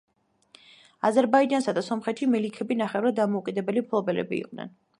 აზერბაიჯანსა და სომხეთში მელიქები ნახევრად დამოუკიდებელი მფლობელები იყვნენ.